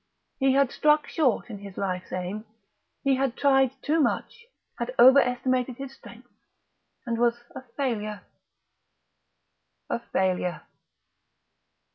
He had struck short in his life's aim. He had tried too much, had over estimated his strength, and was a failure, a failure....